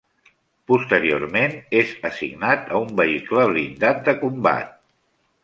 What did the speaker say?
Posteriorment, és assignat a un vehicle blindat de combat.